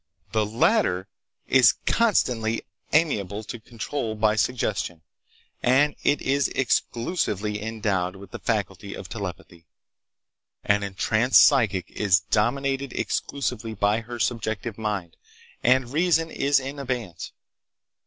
The latter is constantly amenable to control by suggestion, and it is exclusively endowed with the faculty of telepathy. "An entranced psychic is dominated exclusively by her subjective mind, and reason is in abeyance.